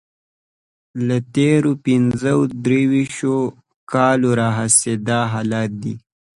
له تېرو پنځه دیرشو کالو راهیسې دا حالت دی.